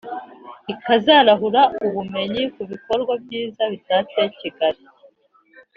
ikazarahura ubumenyi ku bikorwa byiza bitatse Kigali